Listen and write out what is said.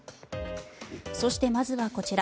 そして、まずはこちら。